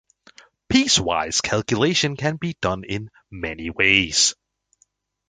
Piece-wise calculation can be done in many ways.